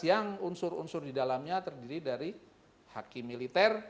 yang unsur unsur di dalamnya terdiri dari hakim militer